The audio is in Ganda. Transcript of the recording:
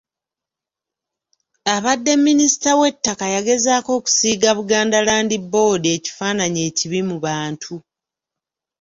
Abadde Minisita w'ettaka yagezaako okusiiga Buganda Land Board ekifaananyi ekibi mu bantu.